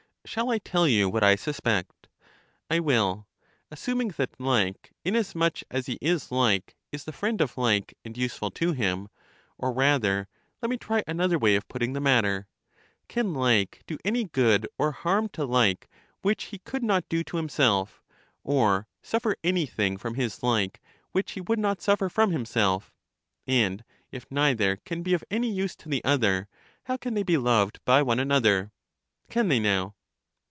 Shall I tell you what I suspect? I will. Assuming that like, inasmuch as he is like, is the friend of like, and useful to him — or rather let me try another way of putting the matter: Can like do any good or harm to like which he could not do to himself, or suffer anything from his like which he would not suffer from himself? And if neither can be of any use to the other, how can they be loved by one another? Can they now?